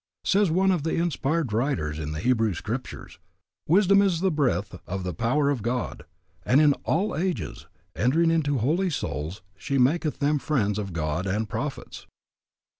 Says one of the inspired writers in the Hebrew scriptures, Wisdom is the breath of the power of God, and in all ages entering into holy souls she maketh them friends of God and prophets.